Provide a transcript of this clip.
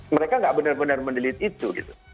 mereka tidak benar benar mendelete itu